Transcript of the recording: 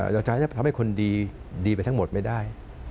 เราจะทำให้คนดีไปทั้งหมดไม่ได้